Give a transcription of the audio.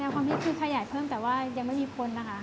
ความคิดคือขยายเพิ่มแต่ว่ายังไม่มีพ้นนะคะ